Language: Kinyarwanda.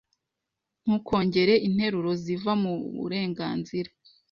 Ntukongere interuro ziva muburenganzira.